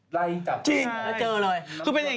ไทยยังไม่มาไงเลยจะไปที่ไหน